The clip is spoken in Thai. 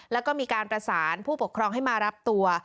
แล้วก็มีการประสานผู้ปกครองให้มารับตัว